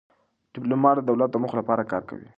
ډيپلومات د دولت د موخو لپاره کار کوي.